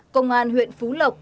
công an huyện phú lộc